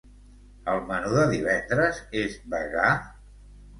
El menú de divendres és vegà?